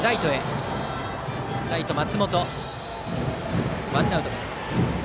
ライト松本とってワンアウトです。